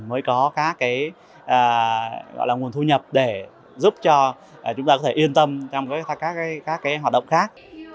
mới có các cái gọi là nguồn thu nhập để giúp cho chúng ta có thể yên tâm trong các cái hoạt động khác